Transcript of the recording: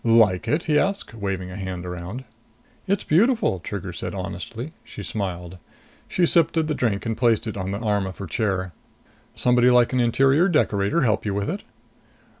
"Like it?" he asked, waving a hand around. "It's beautiful," Trigger said honestly. She smiled. She sipped at the drink and placed it on the arm of her chair. "Somebody like an interior decorator help you with it?"